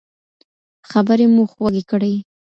خبرې مو خوږې کړئ.